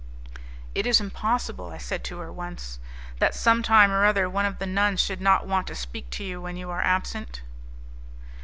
"It is impossible," I said to her once, "that some time or other one of the nuns should not want to speak to you when you are absent?"